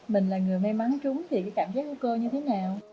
mình là người may mắn trúng thì cái cảm giác của cô như thế nào